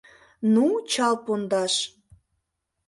Ну, чал пондаш!